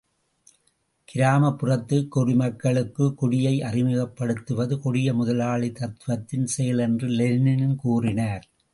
கிராமப்புறத்துக் குடிமக்களுக்குக் குடியை அறிமுகப்படுத்துவது கொடிய முதலாளித்துவத்தின் செயல் என்று லெனின் கூறினார்.